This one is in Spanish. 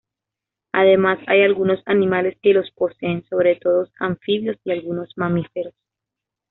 Además, hay algunos animales que los poseen, sobre todo anfibios y algunos mamíferos.